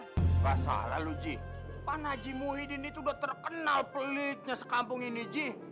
nggak salah lo ji pak haji muhyiddin itu udah terkenal pelitnya sekampung ini ji